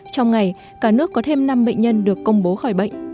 trong ngày cả nước có thêm năm bệnh nhân được công bố khỏi bệnh